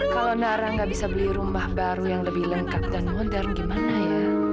kalau nara nggak bisa beli rumah baru yang lebih lengkap dan modern gimana ya